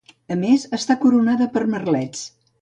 A més, està coronada per merlets.